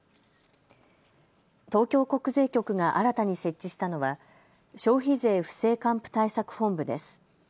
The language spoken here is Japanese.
東京国税局が新たに設置したのは消費税不正還付対策本部です。